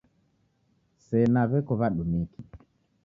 Sena weko wadumiki